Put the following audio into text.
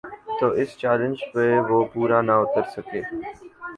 تو اس چیلنج پہ وہ پورا نہ اتر سکے۔